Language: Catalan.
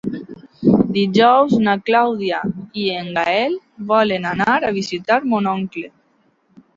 Dijous na Clàudia i en Gaël volen anar a visitar mon oncle.